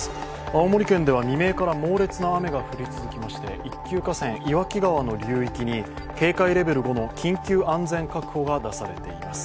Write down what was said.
青森県では未明から猛烈な雨が降り続けまして１級河川・岩木川の流域に警戒レベル５の緊急安全確保が出されています。